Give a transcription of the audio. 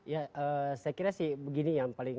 ya saya kira sih begini yang paling